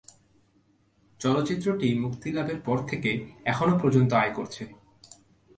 চলচ্চিত্রটি মুক্তিলাভের পর থেকে এখনও পর্যন্ত আয় করেছে।